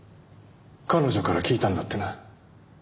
彼女から聞いたんだってな。